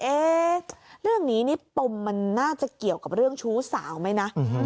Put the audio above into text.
เรื่องนี้นี่ปมมันน่าจะเกี่ยวกับเรื่องชู้สาวไหมนะ